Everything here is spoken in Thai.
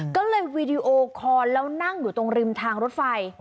ก็เลยวีดีโอคอลแล้วนั่งอยู่ตรงริมทางรถไฟ